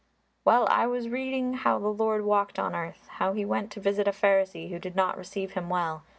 "Well, I was reading how the Lord walked on earth, how He went to visit a Pharisee who did not receive Him well.